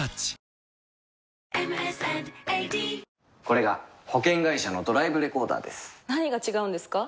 これが保険会社のドライブレコーダーです何が違うんですか？